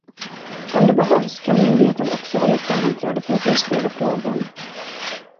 Om det behövs, kan myndigheten också hålla ett sammanträde för att utreda frågan.